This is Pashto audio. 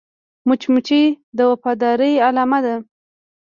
مچمچۍ د وفادارۍ علامه ده